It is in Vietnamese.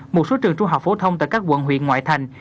một số trường trung học phổ thông tại các quận huyện ngoại thành